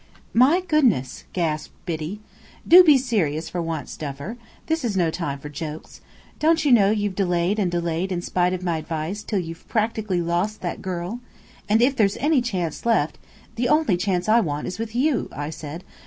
"My goodness!" gasped Biddy. "Do be serious for once, Duffer. This is no time for jokes. Don't you know you've delayed and delayed in spite of my advice, till you've practically lost that girl? And if there's any chance left " "The only chance I want is with you," I said.